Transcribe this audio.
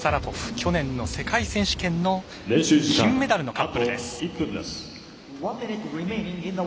去年の世界選手権の金メダルのカップルです。